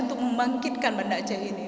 untuk membangkitkan banda aceh ini